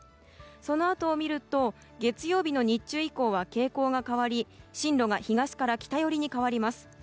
そのあとを見ると月曜日の日中以降は傾向が変わり進路が東から北寄りに変わります。